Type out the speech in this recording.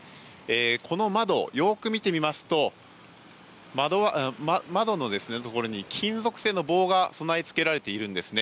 この窓、よく見てみますと窓のところに金属製の棒が備え付けられているんですね。